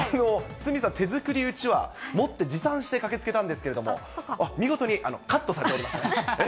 鷲見さん手作りうちわ、持って持参して駆けつけたんですけれども、見事にカットされておりました。